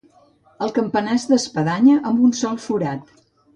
El campanar és d'espadanya amb un sol forat.